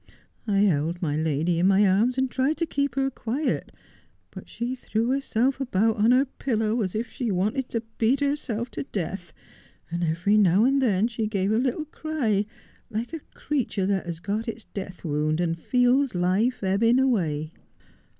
I held my lady in my arms and tried to keep her quiet, but she threw herself about on her pillow as if she wanted to beat herself to death, and every now and then she gave a little cry like a creature that has got its death wound, and feels life ebbing away.